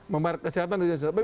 membayar kesehatan duitnya susah